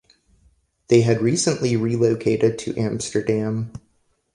They had recently relocated to Amsterdam.